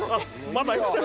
まだ生きてる